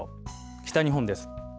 北日本です。